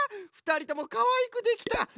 ふたりともかわいくできた。